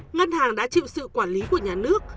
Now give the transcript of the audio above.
ngân hàng đã chịu sự quản lý của nhà nước